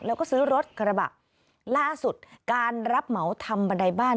แล้วก็ซื้อรถกระบะล่าสุดการรับเหมาทำบันไดบ้าน